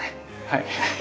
はい。